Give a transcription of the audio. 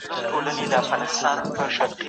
په هلمند کي د پنبي کرکیله ډېره زیاته ده.